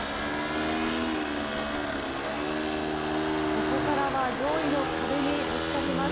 ここからは、上位の壁にぶつかります。